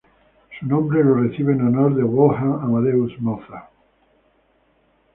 Su nombre lo recibe en honor de Wolfgang Amadeus Mozart.